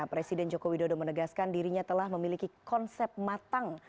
presiden joko widodo menegaskan dirinya telah memiliki konsep matang